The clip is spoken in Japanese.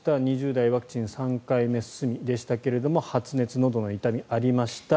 ２０代ワクチン３回目済みでしたが発熱、のどの痛みがありました